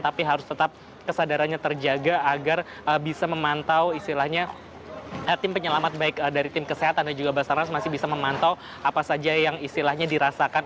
tapi harus tetap kesadarannya terjaga agar bisa memantau istilahnya tim penyelamat baik dari tim kesehatan dan juga basarnas masih bisa memantau apa saja yang istilahnya dirasakan